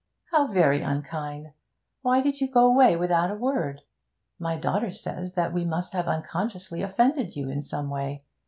'How very unkind! Why did you go away without a word? My daughter says that we must have unconsciously offended you in some way.